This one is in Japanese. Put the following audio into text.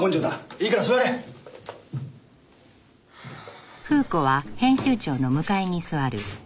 いいから座れ。はあ。